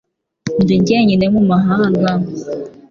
Ndi jyenyine mu mahanga.